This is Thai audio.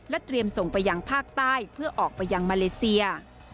เตรียมส่งไปยังภาคใต้เพื่อออกไปยังมาเลเซีย